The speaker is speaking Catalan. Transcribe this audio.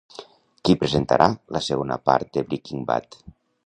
Qui presentarà la segona part de Breaking Bad?